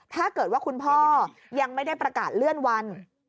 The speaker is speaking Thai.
ถ้าเกิดว่าคุณพ่อยังไม่ได้ประกาศเลื่อนวัน